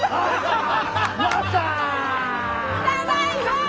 ただいま！